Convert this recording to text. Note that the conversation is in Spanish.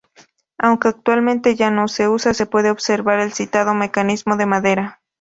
Aunque actualmente ya no se usa, se puede observar el citado mecanismo de madera.